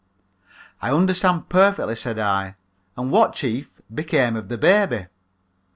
"I understand perfectly," said I, "and what, chief, became of the baby?"